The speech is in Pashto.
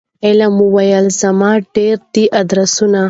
علم وویل زما ډیر دي آدرسونه